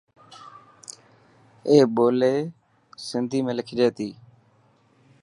اي ٻولي سنڌي ۾ لکجي تي.